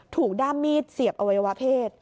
ด้ามมีดเสียบอวัยวะเพศ